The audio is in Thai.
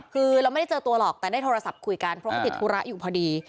คือเราไม่ได้เจอตัวหรอกแต่ได้โทรศัพท์คุยกันเพราะเขาติดธุระอยู่พอดี